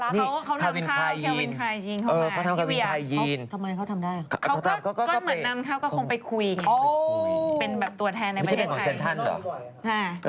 พี่โกนหัวเนี่ยไม่เกี่ยวหรือ